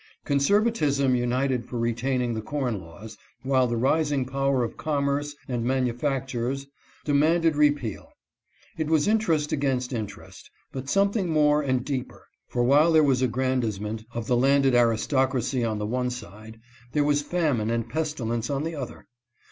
Conservatism united for retaining the corn laws, while the rising power of commerce and manufactures demanded repeal. It was interest against interest, but something more and deeper, for while there was aggrandizement of the landed aristoc racy on the one side, there was famine and pestilence on the other.